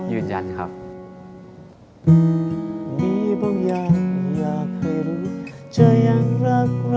ยืนยันครับ